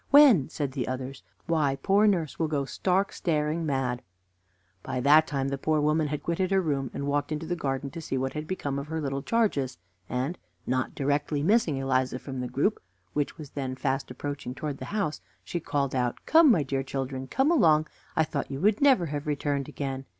when!" said the others. "Why, poor nurse will go stark, staring mad!" By that time the poor woman had quitted her room, and walked into the garden to see what had become of her little charges; and, not directly missing Eliza from the group, which was then fast approaching towards the house, she called out: "Come, my dear children come along! I thought you would never have returned again."